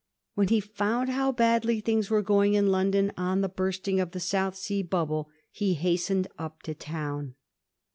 When he found lft>w badly things were going in London on the Bursting of the South Sea bubble, he hastened up to town.